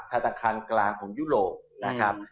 ธนาคารกลางของยุโรปนะครับ